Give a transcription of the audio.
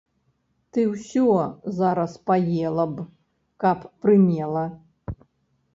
Ты ўсё зараз паела б, каб прымела!